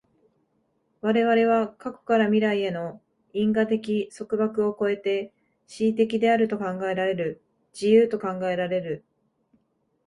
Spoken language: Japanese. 我々は過去から未来への因果的束縛を越えて思惟的であると考えられる、自由と考えられる。